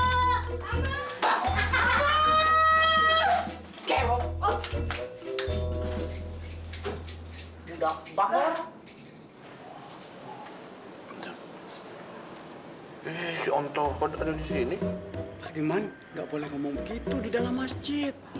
sampai jumpa di video selanjutnya